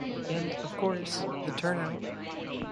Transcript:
And of course the turnout.